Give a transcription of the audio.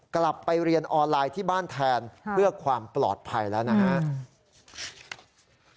กลับไปเรียนออนไลน์ที่บ้านแทนเพื่อความปลอดภัยแล้วนะครับ